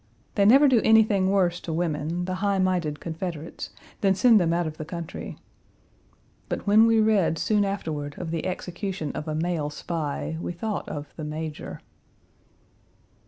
They never do anything worse to women, the high minded Confederates, than send them out of the country. But when we read soon afterward of the execution of a male spy, we thought of the "major."